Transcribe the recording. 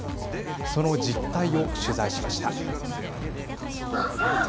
その実態を取材しました。